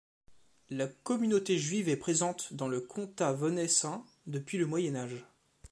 La communauté juive est présente dans le Comtat Venaissin depuis le Moyen Âge.